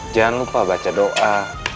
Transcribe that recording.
jangan lupa baca doa